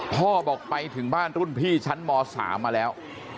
พ่อบอกไปถึงบ้านรุ่นพี่ชั้นม๓มาแล้ว